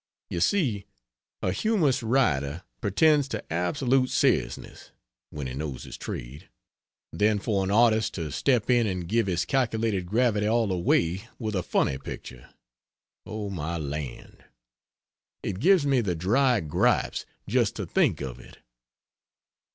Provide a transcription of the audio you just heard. You see, the humorous writer pretends to absolute seriousness (when he knows his trade) then for an artist to step in and give his calculated gravity all away with a funny picture oh, my land! It gives me the dry gripes just to think of it.